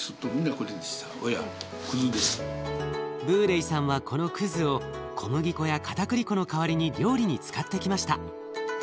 ブーレイさんはこのくずを小麦粉やかたくり粉の代わりに料理に使ってきました。